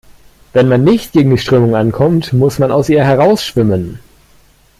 Wenn man nicht gegen die Strömung ankommt, muss man aus ihr heraus schwimmen.